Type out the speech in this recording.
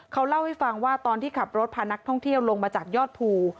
เขาเล่าให้ฟังว่าตอนที่ขับรถพานักท่องเที่ยวลงมาจากยอดภู